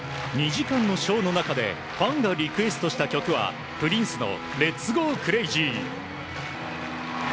２時間のショーの中でファンがリクエストした曲はプリンスの「Ｌｅｔ’ｓＧｏＣｒａｚｙ」。